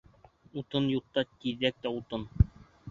Утын юҡта тиҙәк тә утын.